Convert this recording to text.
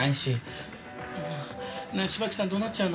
ねえ芝木さんどうなっちゃうの？